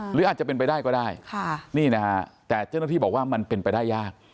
หรืออาจจะเป็นไปได้ก็ได้นี่นะฮะแต่เจ้าหน้าที่บอกว่ามันเป็นไปได้ยาก